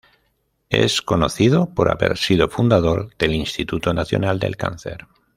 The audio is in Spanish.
Es conocido por haber sido fundador del Instituto Nacional del Cáncer.